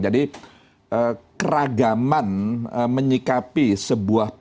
jadi keragaman menyikapi sebuah proses